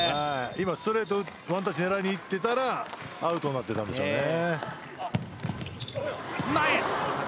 今、ストレートを狙いにいっていたらアウトになっていたでしょうね。